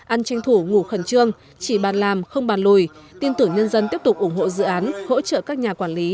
ăn tranh thủ ngủ khẩn trương chỉ bàn làm không bàn lùi tin tưởng nhân dân tiếp tục ủng hộ dự án hỗ trợ các nhà quản lý